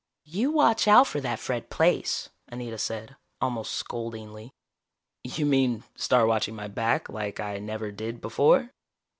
"You watch out for that Fred Plaice," Anita said, almost scoldingly. "You mean, start watching my back, like I never did before?